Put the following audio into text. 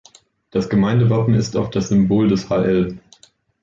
Das Gemeindewappen ist auf das Symbol des Hl.